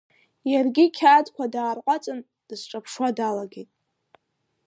Иаргьы иқьаадқәа даарҟәаҵын, дысҿаԥшуа далагеит.